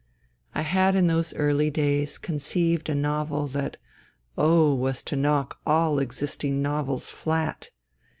I had in those early days conceived a novel that, oh ! was to knock all existing novels flat.